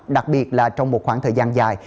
đặc biệt là trong một khoảng thời gian dài